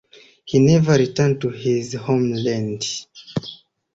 He never returned to his homeland.